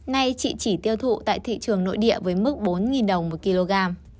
nay chị chỉ tiêu thụ tại thị trường nội địa với mức bốn đồng một kg